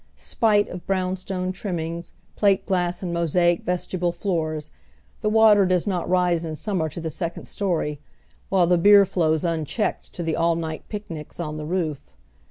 Spite of brown stone trimmings, plate glasa and mosaic vestibule flooi s, the water does not rise in summer to the second story, while the beer flows unchecked to the all night picnics on the roof.